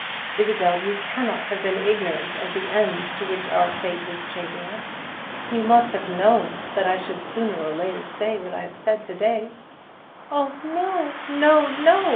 Isabel, you cannot have been ignorant of the end to which our fate was chaffing us; you must have known that I should sooner or later say what I have said to day." "Oh, no, no, no!"